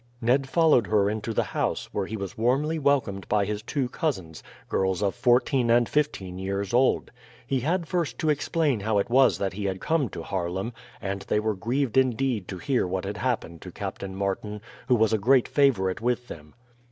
Ned followed her into the house, where he was warmly welcomed by his two cousins girls of fourteen and fifteen years old. He had first to explain how it was that he had come to Haarlem, and they were grieved indeed to hear what had happened to Captain Martin, who was a great favourite with them.